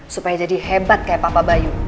supaya jadi hebat kayak papa bayu